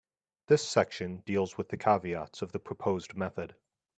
This section deals with the caveats of the proposed method.